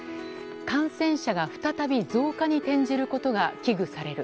感染者が再び増加に転じることが危惧される。